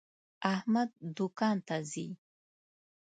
احمد دوکان ته ځي.